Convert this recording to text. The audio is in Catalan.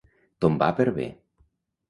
Tombar per bé.